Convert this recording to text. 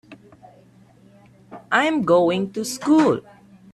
I'm going to school.